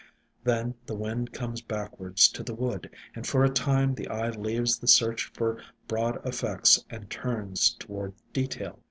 Then the wind comes backward to the wood and for a time the eye leaves the search for broad effects and turns toward detail.